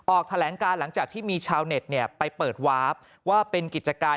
ออกแถลงการหลังจากที่มีชาวเน็ตไปเปิดวาร์ฟว่าเป็นกิจการ